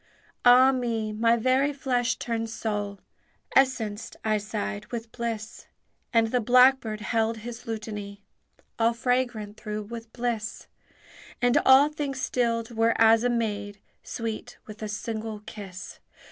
"Ah me! my very flesh turns soul, Essenced," I sighed, "with bliss!" And the blackbird held his lutany, All fragrant through with bliss; And all things stilled were as a maid Sweet with a single kiss.